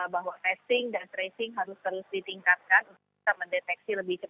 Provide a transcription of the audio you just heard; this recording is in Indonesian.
bahwa tracing dan testing harus terus ditingkatkan bisa mendeteksi lebih cepat